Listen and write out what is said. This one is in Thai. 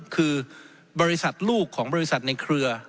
คือบริษัทลูกของบริษัทในเครือ